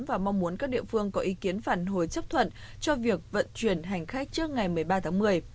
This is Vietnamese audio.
và mong muốn các địa phương có ý kiến phản hồi chấp thuận cho việc vận chuyển hành khách trước ngày một mươi ba tháng một mươi